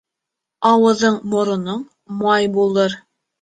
Ауыҙың-мороноң май булыр.